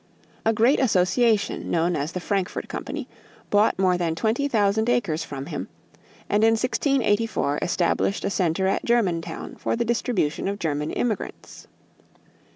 A great association, known as the Frankfort Company, bought more than twenty thousand acres from him and in 1684 established a center at Germantown for the distribution of German immigrants.